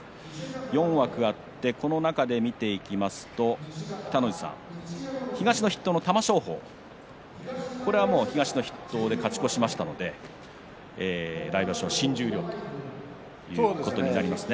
４枠あってこの中で見ていきますと東の筆頭の玉正鳳、これはもう東の筆頭で勝ち越しましたので来場所、新十両ということになりますね。